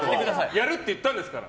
やるって言ったんですから。